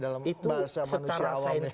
dalam bahasa manusia awam ya